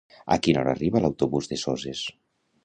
A quina hora arriba l'autobús de Soses?